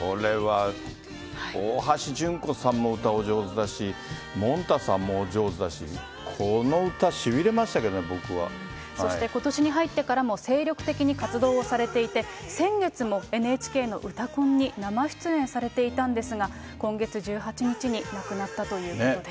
これは大橋純子さんも歌お上手だし、もんたさんもお上手だし、そしてことしに入ってからも精力的に活動をされていて、先月もＮＨＫのうたコンに生出演されていたんですが、今月１８日に亡くなったということです。